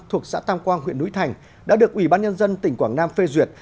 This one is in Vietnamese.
thuộc xã tam quang huyện núi thành đã được ủy ban nhân dân tỉnh quảng nam phê duyệt